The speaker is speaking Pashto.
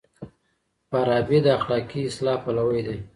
فارابي د اخلاقي اصلاح پلوی دی.